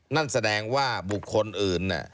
นั่นแสดงว่าบุคคลอื่น